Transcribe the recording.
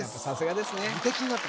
さすがですね